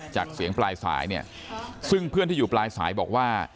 จากเสียงปลายสายเนี่ยซึ่งเพื่อนที่อยู่ปลายสายบอกว่า